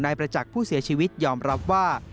ประจักษ์ผู้เสียชีวิตยอมรับว่า